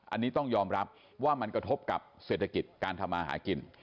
อันนี้ต้องยอมรับว่ามันกระทบกับเศรษฐกิจการทำมาหากิน